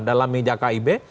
dalam media kib